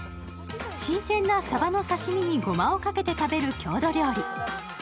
新鮮なさばの刺身にごまをかけて食べる、郷土料理。